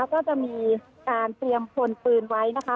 ก็จะมีการเตรียมพลปืนไว้นะคะ